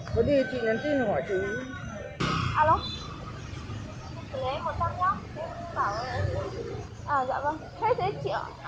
vậy thì chị nhắn tin hỏi chủ